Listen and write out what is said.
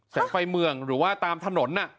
แสงไฟเมืองหรือว่าตามถนนน่ะ